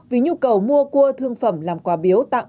vì nhu cầu mua cua thương phẩm làm quà biếu tặng